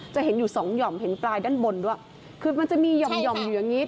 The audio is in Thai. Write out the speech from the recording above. จะเห็นอยู่สองหย่อมเห็นปลายด้านบนด้วยคือมันจะมีหย่อมห่อมอยู่อย่างงี้